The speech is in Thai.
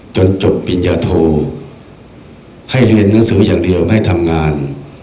จนจบปริญญาโทให้เรียนหนังสืออย่างเดียวไม่ทำงาน